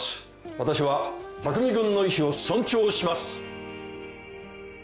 私は匠君の意思を尊重します。